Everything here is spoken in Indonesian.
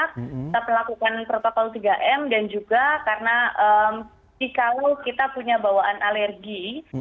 kita melakukan protokol tiga m dan juga karena jika kita punya bawaan alergi